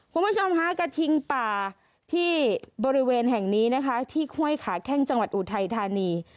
คุณผู้ชมค่ะกระทิงป่าที่บริเวณแห่งนี้นะคะที่ห้วยขาแข้งจังหวัดอุทัยธานี